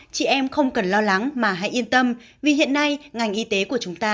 chị em không cần lo lắng mà hãy yên tâm vì hiện nay ngành y tế của chúng ta